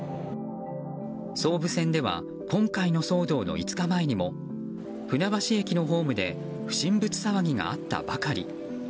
総武線では今回の騒動の５日前にも船橋駅のホームで不審物騒ぎがあったばかり。